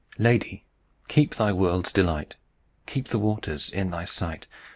"Lady, keep thy world's delight; Keep the waters in thy sight.